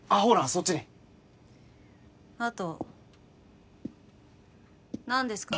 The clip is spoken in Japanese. そっちにあと何ですか？